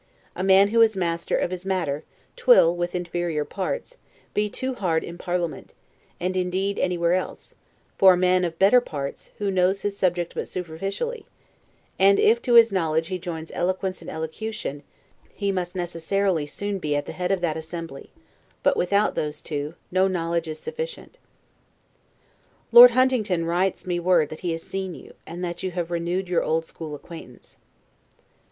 A man who is master of his matter, twill, with inferior parts, be too hard in parliament, and indeed anywhere else, for a man of better parts, who knows his subject but superficially: and if to his knowledge he joins eloquence and elocution, he must necessarily soon be at the head of that assembly; but without those two, no knowledge is sufficient. Lord Huntingdon writes me word that he has seen you, and that you have renewed your old school acquaintance.